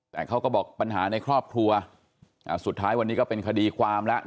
แต่เขาก็บอกปัญหาในครอบครัวสุดท้ายวันนี้ก็เป็นคดีความแล้ว